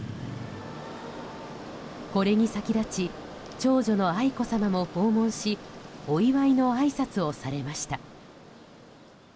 これに先立ち長女の愛子さまも訪問しお祝いのあいさつをされました。